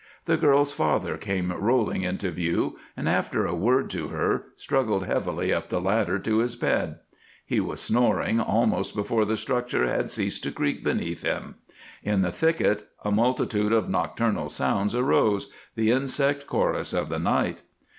The girl's father came rolling into view, and, after a word to her, struggled heavily up the ladder to his bed. He was snoring almost before the structure had ceased to creak beneath him. In the thicket a multitude of nocturnal sounds arose, the insect chorus of the night.